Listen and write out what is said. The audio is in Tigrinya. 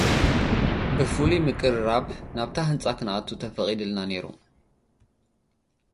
ብፍሉይ ምቅርራብ፡ ናብታ ህንጻ ክንኣቱ ተፈቒዱልና ነይሩ።